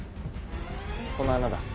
この穴だ。